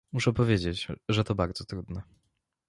Muszę powiedzieć, że to bardzo trudne